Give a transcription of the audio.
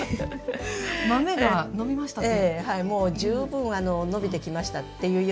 豆が伸びましたって。